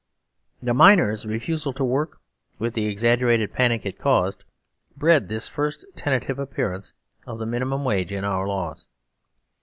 The miners' refusal to work, with the exaggerated panic it caused, bred this first tentative appearancepf the minimum wage in our laws.